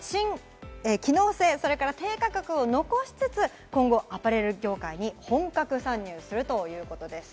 機能性、低価格を残しつつ、今後アパレル業界に本格参入するということです。